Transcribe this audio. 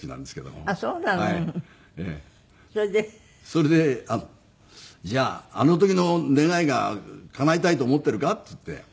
それで「じゃああの時の願いがかなえたいと思ってるか？」って言って。